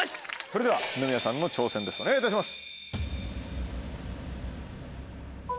それでは二宮さんの挑戦ですお願いいたします。